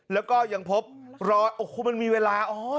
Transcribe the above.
แล้วก็ยังพบรอยโอ้โหมันมีเวลา